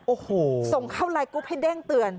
โอ้โหส่งเข้าไลน์กรุ๊ปให้เด้งเตือน